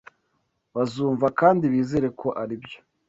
Bazumva kandi bizere ko aribyo